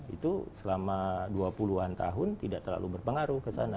itu selama dua puluh an tahun tidak terlalu berpengaruh ke sana